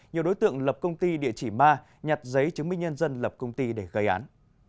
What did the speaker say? nhiều đối tượng lập công ty địa chỉ ma nhặt giấy chứng minh nhân dân lập công ty để gây án